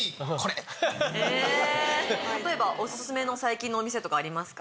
例えばオススメの最近のお店とかありますか？